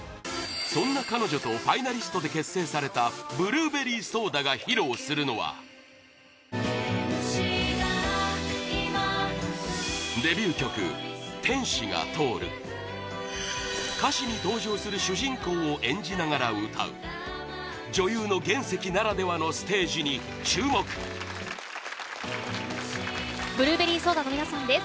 そんな彼女とファイナリストで結成されたブルーベリーソーダが披露するのはデビュー曲「天使が通る」歌詞に登場する主人公を演じながら歌う女優の原石ならではのステージに注目ブルーベリーソーダの皆さんです。